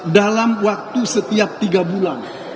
dalam waktu setiap tiga bulan